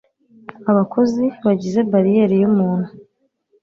Abakozi bagize bariyeri yumuntu.